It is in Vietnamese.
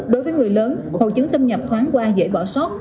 đối với người lớn hội chứng xâm nhập thoáng qua dễ bỏ sót